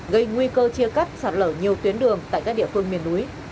gây nguy cơ chia cắt sạt lở nhiều tuyến đường tại các địa phương miền núi